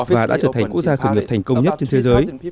và đã trở thành quốc gia khởi nghiệp thành công nhất trên thế giới